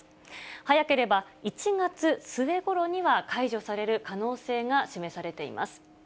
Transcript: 早ければ１月末ごろには解除される可能性が示されています。